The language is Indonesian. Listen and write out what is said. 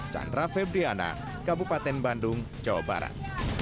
chandra febriana kabupaten bandung jawa barat